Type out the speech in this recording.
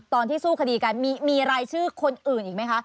ตอนที่สู้คดีกันมีรายชื่อคนอื่นอีกไหมคะ